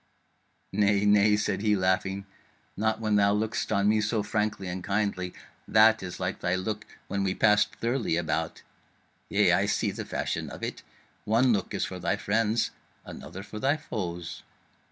Nay, nay," said he laughing, "not when thou lookest on me so frankly and kindly; that is like thy look when we passed Thirly about. Yea, I see the fashion of it: one look is for thy friends, another for thy foes.